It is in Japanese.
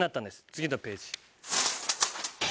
次のページ。